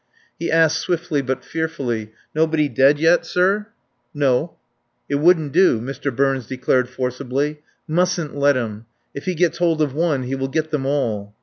He asked swiftly but fearfully: "Nobody dead yet, sir?" "No." "It wouldn't do," Mr. Burns declared forcibly. "Mustn't let him. If he gets hold of one he will get them all."